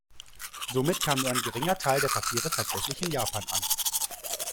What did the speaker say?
Somit kam nur ein geringer Teil der Papiere tatsächlich in Japan an.